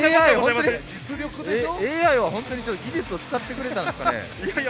ＡＩは本当に技術を使ってくれたんですかね。